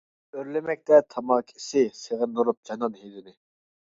ئۆرلىمەكتە تاماكا ئىسى، سېغىندۇرۇپ جانان ھىدىنى.